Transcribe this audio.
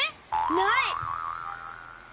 ない！